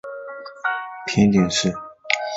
平町是东京都目黑区的地名。